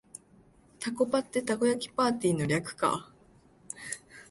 タコパってたこ焼きパーティーの略か